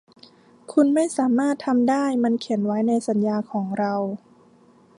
คุณไม่สามารถทำได้มันเขียนไว้ในสัญญาของเรา